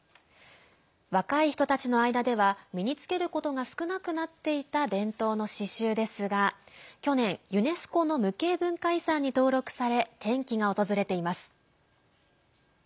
若い人たちの間では身に着けることが少なくなっていた伝統の刺しゅうですが去年ユネスコの無形文化遺産に登録され転機が訪れています。